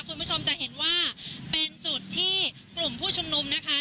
คุณผู้ชมจะเห็นว่าเป็นจุดที่กลุ่มผู้ชุมนุมนะคะ